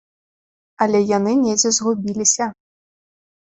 Але яны недзе згубіліся.